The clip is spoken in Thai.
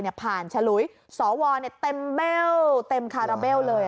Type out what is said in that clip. เนี่ยผ่านชะลุยสววเนี่ยเต็มแบลลเต็มคารับแลลเลย